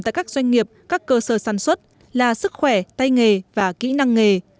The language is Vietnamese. tại các doanh nghiệp các cơ sở sản xuất là sức khỏe tay nghề và kỹ năng nghề